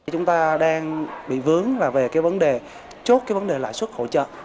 chúng ta đang bị vướng về vấn đề chốt vấn đề lãi suất hỗ trợ